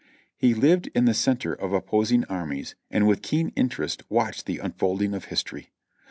He lived in the center of opposing armies and with keen interest watched the unfolding of history.